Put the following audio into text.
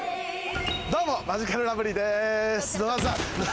どうも、マヂカルラブリーです。